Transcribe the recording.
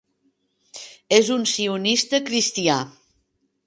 És un sionista cristià.